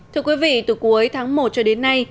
thưa quý vị từ cuối tháng một cho đến nay